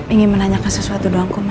ingin menanyakan sesuatu doang ma